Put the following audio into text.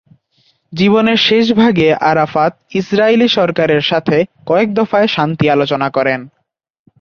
জীবনের শেষভাগে আরাফাত ইসরাইলী সরকারের সাথে কয়েক দফায় শান্তি আলোচনা শুরু করেন।